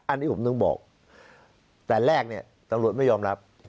อันนี้ผมถึงบอกแต่แรกเนี่ยตำรวจไม่ยอมรับ